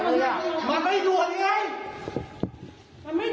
เกือบตายทำไมถึงมาได้